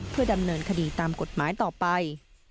เพื่อดำเนินคดีตามกฎหมายต่อไป